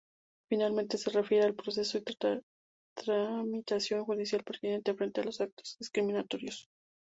Finalmente se refiere al proceso y tramitación judicial pertinente frente a los actos discriminatorios.